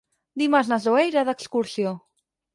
Dimarts na Zoè irà d'excursió.